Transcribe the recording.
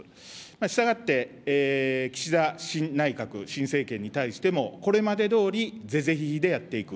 したがって、岸田新内閣、新政権に対してもこれまでどおり是々非々でやっていく。